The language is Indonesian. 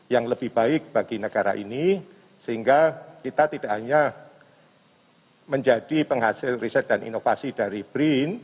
yang lebih baik bagi negara ini sehingga kita tidak hanya menjadi penghasil riset dan inovasi dari brin